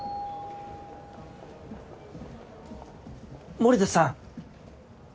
森田さん。